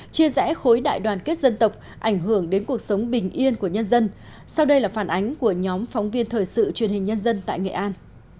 chia rẽ khối đại đoàn kết dân tộc ảnh hưởng đến cuộc sống bình yên của nhân dân sau đây là phản ánh của nhóm phóng viên thời sự truyền hình nhân dân tại nghệ an